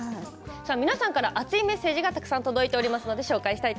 皆さんから熱いメッセージがたくさん届いています。